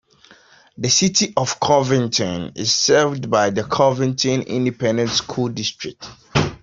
The City of Covington is served by the Covington Independent School District.